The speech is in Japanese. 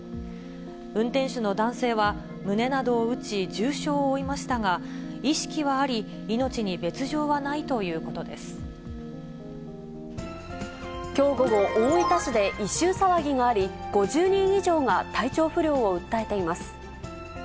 運転手の男性は胸などを打ち、重傷を負いましたが、意識はあり、きょう午後、大分市で異臭騒ぎがあり、５０人以上が体調不良を訴えています。